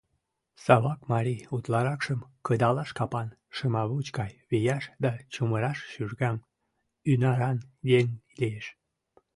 Савак марий утларакшым кыдалаш капан, шымавуч гай вияш да чумыраш шӱрган, ӱнаран еҥ лиеш.